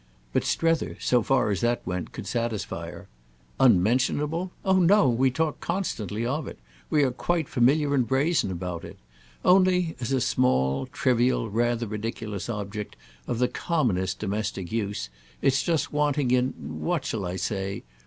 But Strether, so far as that went, could satisfy her. "Unmentionable? Oh no, we constantly talk of it; we are quite familiar and brazen about it. Only, as a small, trivial, rather ridiculous object of the commonest domestic use, it's just wanting in—what shall I say?